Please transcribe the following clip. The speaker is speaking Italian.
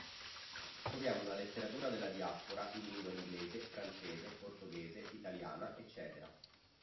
Troviamo una letteratura della diaspora in lingua inglese, francese, portoghese, italiana, ecc.